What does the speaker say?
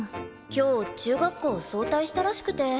今日中学校早退したらしくて。